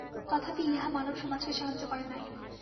তথাপি ইহা মানবসমাজকে সাহায্য করে নাই।